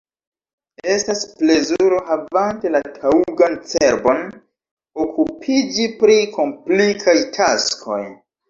Estas plezuro – havante la taŭgan cerbon – okupiĝi pri komplikaj taskoj.